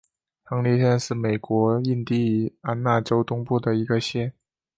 亨利县是美国印地安纳州东部的一个县。